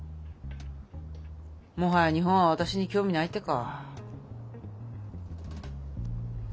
もはや日本は私に興味ないってか。